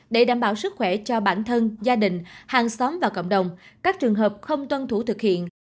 để đảm bảo sức khỏe cho bản thân gia đình hàng xóm và cộng đồng các trường hợp không tuân thủ thực hiện